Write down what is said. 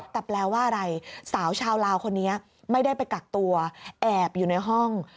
แต่แปลว่าอะไรสาวชาวลาวคนนี้ไม่ได้ไปกักตัวแอบอยู่ในห้อง